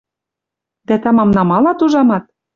Дӓ тамам намалат, ужамат.